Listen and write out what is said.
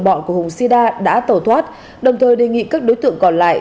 bọn của hùng sida đã tẩu thoát đồng thời đề nghị các đối tượng còn lại